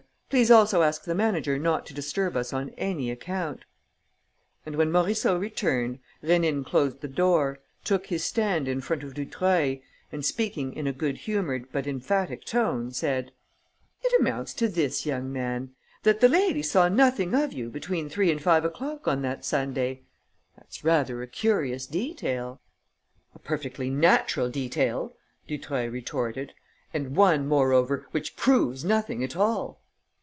Please also ask the manager not to disturb us on any account." And, when Morisseau returned, Rénine closed the door, took his stand in front of Dutreuil and, speaking in a good humoured but emphatic tone, said: "It amounts to this, young man, that the ladies saw nothing of you between three and five o'clock on that Sunday. That's rather a curious detail." "A perfectly natural detail," Dutreuil retorted, "and one, moreover, which proves nothing at all."